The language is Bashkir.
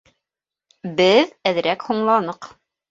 Беҙ әҙерәк һуңланыҡ